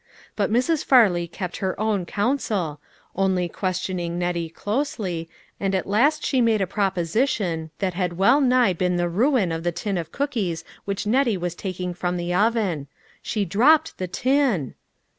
But Mrs. Far ley kept her own counsel, only questioning Net tie closely, and at last she made a proposition that had well nigh been the ruin of the tin of cookies which Nettie was taking from the oven. She dropped the tin